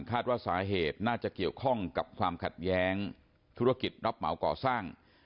คาดว่าสาเหตุน่าจะเกี่ยวข้องกับความขัดแย้งธุรกิจรับเหมาก่อสร้าง